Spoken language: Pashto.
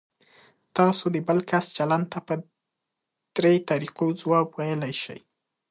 تاسو د بل کس چلند ته په درې طریقو ځواب ویلی شئ.